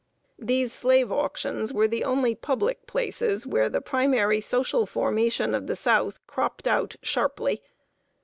] These slave auctions were the only public places where the primary social formation of the South cropped out sharply.